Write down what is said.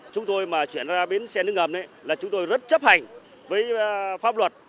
chúng tôi mà chuyển ra bến xe nước ngầm là chúng tôi rất chấp hành với pháp luật